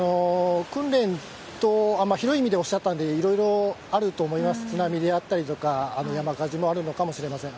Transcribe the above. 訓練と広い意味でおっしゃったんで、いろいろあると思います、津波であったりとか、山火事もあるのかもしれません。